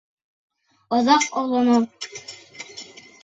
Оҙаҡ олоно.